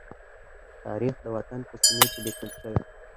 تاریخ د وطن په سینې کې لیکل شوی.